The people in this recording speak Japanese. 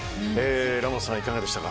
ラモスさん、いかがでしたか？